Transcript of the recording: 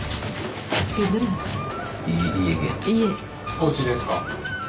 おうちですか。